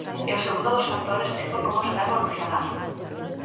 E o segundo dos factores é por como está a evolucionar.